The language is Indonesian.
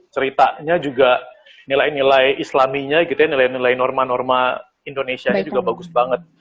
ceritanya juga nilai nilai islaminya gitu ya nilai nilai norma norma indonesianya juga bagus banget